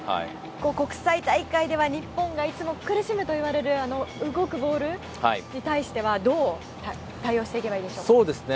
国際大会では日本がいつも苦しむといわれる動くボールに対してはどう対応していけばいいでしょうか。